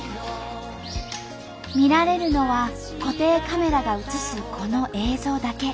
見られるのは固定カメラが映すこの映像だけ。